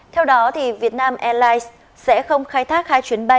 theo đó việt nam đã thông báo điều chỉnh kế hoạch khai thác do ảnh hưởng của bão